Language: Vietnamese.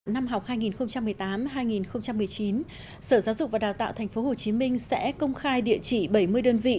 năm học hai nghìn một mươi tám hai nghìn một mươi chín sở giáo dục và đào tạo tp hcm sẽ công khai địa chỉ bảy mươi đơn vị